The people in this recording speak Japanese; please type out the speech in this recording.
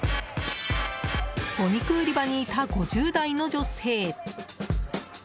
お肉売り場にいた５０代の女性。